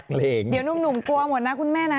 เดี๋ยวหนุ่มกลัวหมดนะคุณแม่นะ